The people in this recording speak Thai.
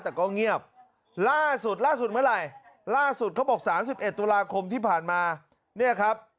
แต่ก็เงียบล่าสุดล่าสุดเมื่อไหร่ล่าสุดเขาบอก๓๑ตุลาคมที่ผ่านมาเนี่ยครับ